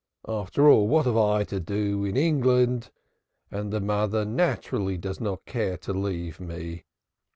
After all, what have I to do in England? And the mother naturally does not care to leave me.